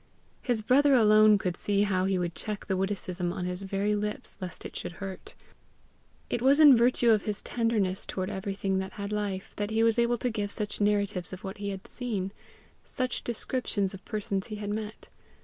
His brother alone could see how he would check the witticism on his very lips lest it should hurt. It was in virtue of his tenderness toward everything that had life that he was able to give such narratives of what he had seen, such descriptions of persons he had met.